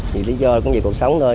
vì lý do cũng vì cuộc sống thôi